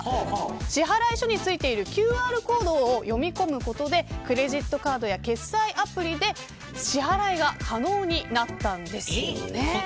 支払い書に付いているＱＲコード読み込むことでクレジットカードや決済アプリで支払いが可能になりました。